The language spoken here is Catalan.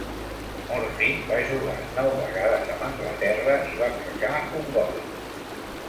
Murphy va jugar nou vegades amb Anglaterra i va marcar un gol.